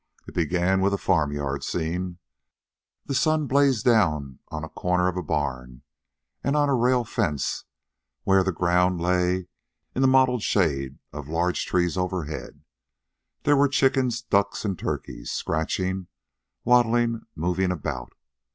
It began with a farm yard scene. The sun blazed down on a corner of a barn and on a rail fence where the ground lay in the mottled shade of large trees overhead. There were chickens, ducks, and turkeys, scratching, waddling, moving about.